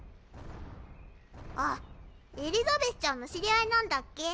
あっエリザベスちゃんの知り合いなんだっけ？